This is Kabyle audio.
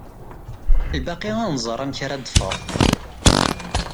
Lbaqi ad nẓer amek ara teffeɣ.